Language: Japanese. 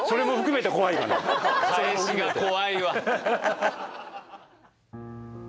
返しが怖いわ。